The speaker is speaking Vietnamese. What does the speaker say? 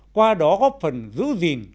qua đó góp phần giữ gìn